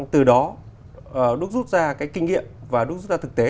từ đó đúc rút ra cái kinh nghiệm và rút ra thực tế